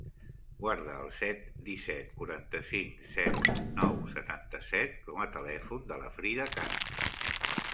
Guarda el set, disset, quaranta-cinc, zero, nou, setanta-set com a telèfon de la Frida Kasmi.